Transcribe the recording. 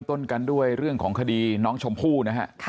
ต้นกันด้วยเรื่องของคดีน้องชมพู่นะฮะ